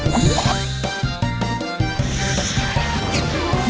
ชัย